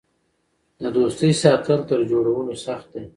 د دوستۍ ساتل تر جوړولو سخت دي.